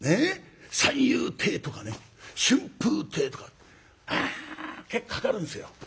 「三遊亭」とかね「春風亭」とか結構かかるんですよ。